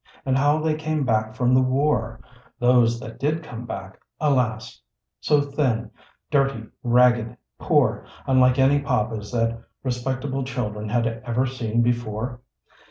And how they came back from the war — ^those that did come back, alas ! — so thin, dirty, ragged, poor, unlike any Papas that respectable children had ever seen before?